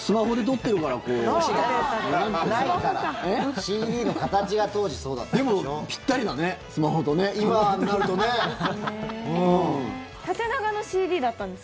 ＣＤの形が当時そうだったんでしょ。